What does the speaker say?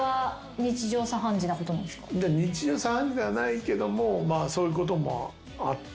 日常茶飯事ではないけどもそういうこともあったよね。